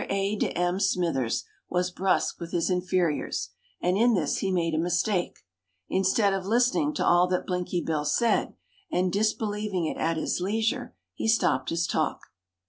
A. de M. Smythers was brusque with his inferiors, and in this he made a mistake. Instead of listening to all that Blinky Bill said, and disbelieving it at his leisure, he stopped his talk.